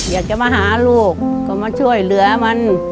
อยากจะมาหาลูกก็มาช่วยเหลือมัน